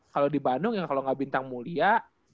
kalau di bandung ya kalau nggak bintang mulia